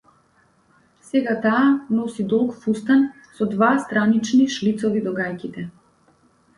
Сега таа носи долг фустан со два странични шлицови до гаќите.